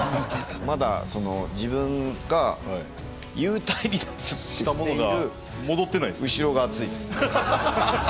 まだ自分が幽体離脱している後ろがあついですね。